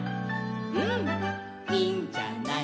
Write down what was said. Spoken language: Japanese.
「うん、いいんじゃない」